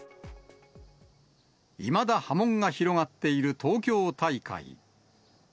いまだ波紋が広がっている東京大会。